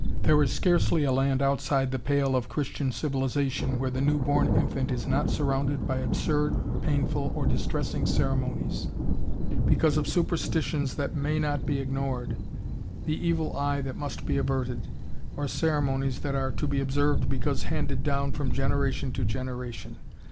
] There is scarcely a land outside the pale of Christian civilization where the newborn infant is not surrounded by absurd, painful, or distressing ceremonies because of superstitions that may not be ignored, the "Evil Eye" that must be averted, or ceremonies that are to be observed because handed down from generation to generation.